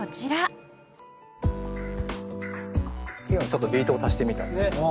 ちょっとビートを足してみたっていう。